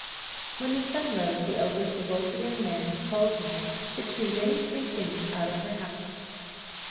When the sun rose the ogress awoke the young man, and called to him to choose any three things out of her house.